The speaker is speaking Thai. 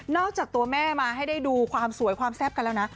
จากตัวแม่มาให้ได้ดูความสวยความแซ่บกันแล้วนะ